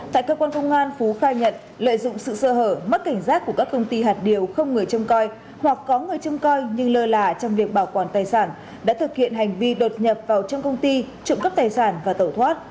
tại cơ quan công an phú khai nhận lợi dụng sự sơ hở